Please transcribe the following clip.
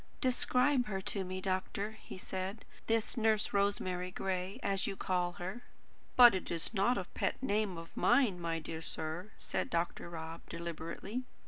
"Describe her to me, doctor," he said; "this Nurse Rosemary Gray, as you call her." "But it is not a pet name of mine, my dear sir," said Dr. Rob deliberately.